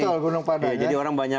betul gunung padang ya